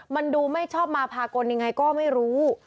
มันดูไม่ชอบมาพากลยังไงก็ไม่รู้